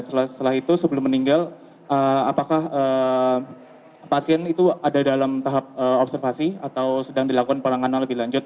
setelah itu sebelum meninggal apakah pasien itu ada dalam tahap observasi atau sedang dilakukan penanganan lebih lanjut